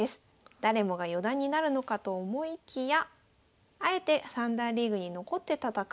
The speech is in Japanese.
誰もが四段になるのかと思いきやあえて三段リーグに残って戦う。